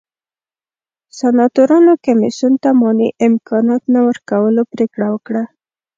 سناتورانو کمېسیون ته مالي امکاناتو نه ورکولو پرېکړه وکړه